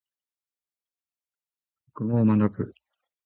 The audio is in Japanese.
国語を学ぶ。